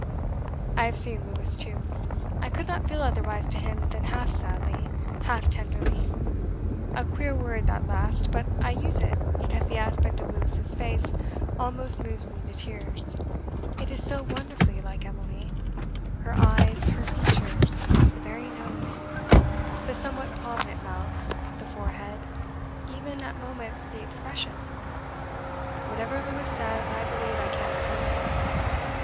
"I have seen Lewes too. ... I could not feel otherwise to him than half sadly, half tenderly, a queer word that last, but I use it because the aspect of Lewes's face almost moves me to tears; it is so wonderfully like Emily, her eyes, her features, the very nose, the somewhat prominent mouth, the forehead, even, at moments, the expression: whatever Lewes says, I believe I cannot hate him.